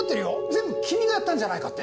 全部君がやったんじゃないかって。